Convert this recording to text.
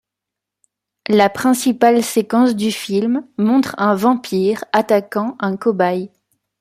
La principale séquence du film montre un vampire attaquant un cobaye.